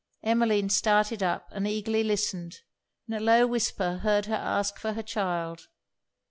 Emmeline started up and eagerly listened; and in a low whisper heard her ask for her child.